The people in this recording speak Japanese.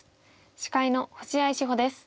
司会の星合志保です。